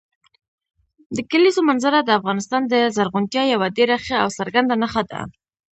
د کلیزو منظره د افغانستان د زرغونتیا یوه ډېره ښه او څرګنده نښه ده.